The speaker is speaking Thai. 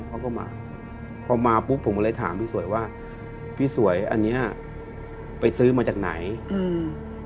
เขาก็มาพอมาปุ๊บผมก็เลยถามพี่สวยว่าพี่สวยอันเนี้ยไปซื้อมาจากไหนอืม